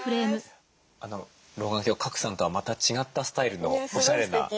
あの老眼鏡賀来さんとはまた違ったスタイルのおしゃれな。